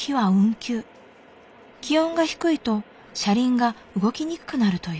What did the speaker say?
気温が低いと車輪が動きにくくなるという。